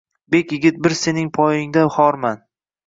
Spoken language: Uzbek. Bek yigit bir sening poyingda xorman